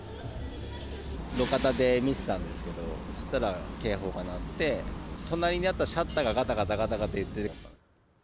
路肩で見てたんですけど、そしたら警報が鳴って、隣にあったシャッターががたがたがたがたいってた。